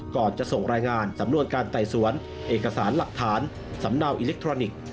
ก่อนจะส่งรายงานสำนวนการไต่สวนเอกสารหลักฐานสำเนาอิเล็กทรอนิกส์